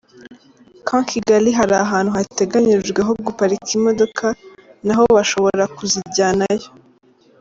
Camp Kigali hari ahantu hateganyijwe ho guparika imodoka na ho bashobora kuzijyanayo.